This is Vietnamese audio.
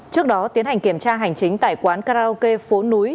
trước đó tiến hành kiểm tra hành chính tại quán karaoke phố núi